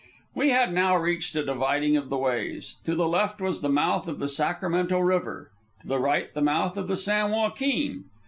We had now reached a dividing of the ways. To the left was the mouth of the Sacramento River, to the right the mouth of the San Joaquin.